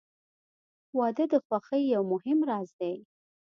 • واده د خوښۍ یو مهم راز دی.